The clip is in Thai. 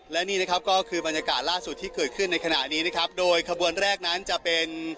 และนี่นะครับก็คือบรรยากาศล่าสุดที่เกิดขึ้นในขณะนี้นะครับโดยขบวนแรกนั้นจะเป็น